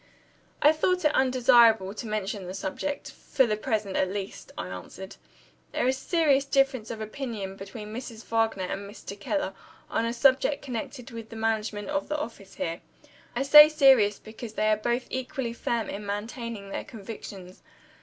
"I thought it undesirable to mention the subject for the present, at least," I answered. "There is a serious difference of opinion between Mrs. Wagner and Mr. Keller, on a subject connected with the management of the office here. I say serious, because they are both equally firm in maintaining their convictions.